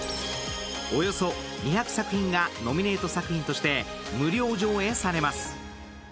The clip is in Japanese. およそ２００作品がノミネート作品として無料上演されます。